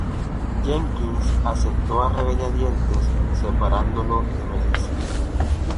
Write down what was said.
Jenkins aceptó a regañadientes, separándolo de Melissa.